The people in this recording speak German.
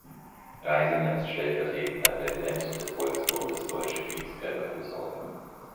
Reisinger ist stellvertretender Präsident des Volksbundes Deutsche Kriegsgräberfürsorge.